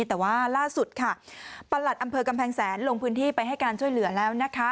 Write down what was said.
แต่ว่าล่าสุดค่ะประหลัดอำเภอกำแพงแสนลงพื้นที่ไปให้การช่วยเหลือแล้วนะคะ